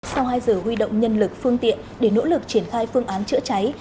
sau hai giờ huy động nhân lực phương tiện để nỗ lực triển khai phương án chữa cháy